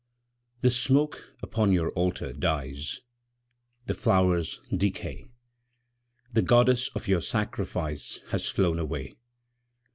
_) The smoke upon your Altar dies, The flowers decay, The Goddess of your sacrifice Has flown away.